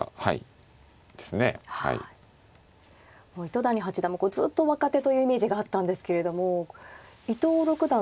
糸谷八段もずっと若手というイメージがあったんですけれども伊藤六段とは１４歳ぐらいの。